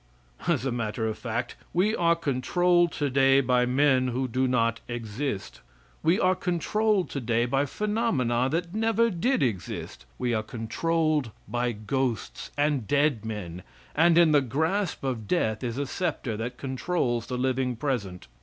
As a matter of fact, we are controlled today by men who do not exist. We are controlled today by phenomena that never did exist. We are controlled by ghosts and dead men, and in the grasp of death is a scepter that controls the living present.